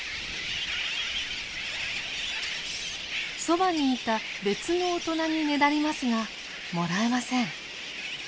そばにいた別の大人にねだりますがもらえません。